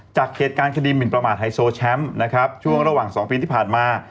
จากเหตุการณ์คดีหมินประมาทไฮโซแชมป์นะครับช่วงระหว่าง๒ปีที่ผ่านมา